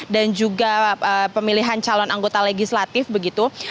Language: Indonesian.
dan juga pemilihan calon anggota legislatif begitu